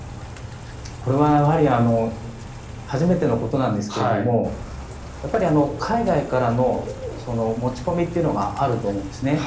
これは初めてのことなんですけど海外からの持ち込みというのがあると思うんです。